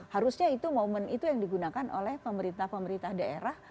harusnya itu momen itu yang digunakan oleh pemerintah pemerintah daerah